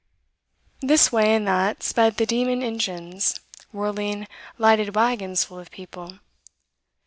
This way and that sped the demon engines, whirling lighted waggons full of people.